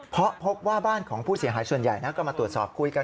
เพราะพบว่าบ้านของผู้เสียหายส่วนใหญ่ก็มาตรวจสอบคุยกัน